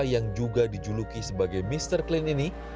yang juga dijuluki sebagai mr clean ini